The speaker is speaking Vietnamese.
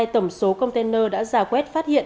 tổng số container đã ra quét phát hiện